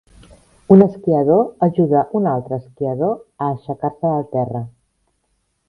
Un esquiador ajuda un altre esquiador a aixecar-se del terra.